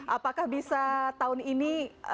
apakah bisa tahun ini